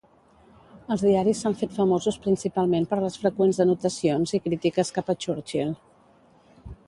Els diaris s'han fet famosos principalment per les freqüents anotacions i crítiques cap a Churchill.